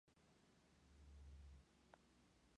El aire acondicionado era de serie en las dos versiones.